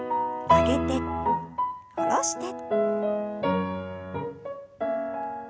上げて下ろして。